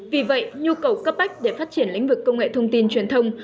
vì vậy nhu cầu cấp bách để phát triển lĩnh vực công nghệ thông tin truyền thông